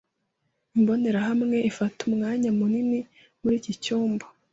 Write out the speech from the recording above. Imbonerahamwe ifata umwanya munini muri iki cyumba.